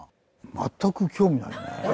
全く興味ないね。